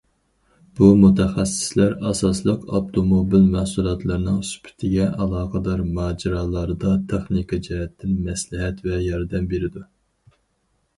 بۇ مۇتەخەسسىسلەر ئاساسلىقى ئاپتوموبىل مەھسۇلاتلىرىنىڭ سۈپىتىگە ئالاقىدار ماجىرالاردا تېخنىكا جەھەتتىن مەسلىھەت ۋە ياردەم بېرىدۇ.